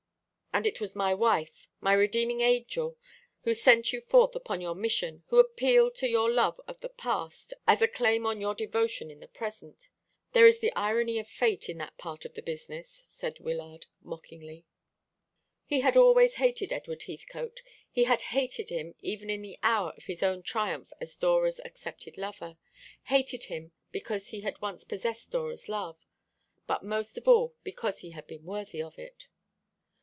"And it was my wife my redeeming angel who sent you forth upon your mission, who appealed to your love of the past as a claim on your devotion in the present. There is the irony of Fate in that part of the business," said Wyllard mockingly. He had always hated Edward Heathcote; he had hated him even in the hour of his own triumph as Dora's accepted lover; hated him because he had once possessed Dora's love, but most of all because he had been worthy of it.